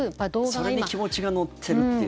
それに気持ちが乗ってるっていう。